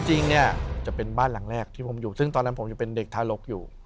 จริงเนี่ยจะเป็นบ้านหลังแรกที่ผมอยู่ซึ่งตอนนั้นผมยังเป็นเด็กทารกอยู่